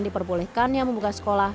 diperbolehkannya membuka sekolah